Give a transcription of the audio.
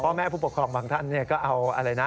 พ่อแม่ผู้ปกครองบางท่านก็เอาอะไรนะ